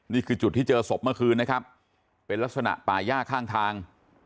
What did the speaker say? นี่คือจุดที่เจอศพเมื่อคืนนะครับเป็นลักษณะป่าย่าข้างทาง